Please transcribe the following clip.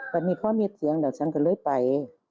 แต่มีพ่อมีเสียงเดี๋ยวฉันก็เลยไป